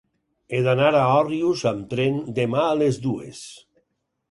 He d'anar a Òrrius amb tren demà a les dues.